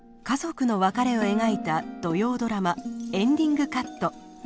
家族の別れを描いた土曜ドラマ「エンディングカット」。